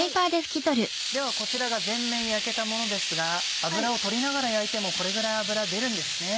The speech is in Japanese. ではこちらが全面焼けたものですが脂を取りながら焼いてもこれぐらい脂出るんですね。